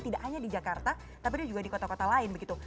tidak hanya di jakarta tapi ada juga di kota kota lain begitu